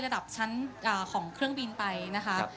ระดับชั้นของเครื่องบินไปนะคะ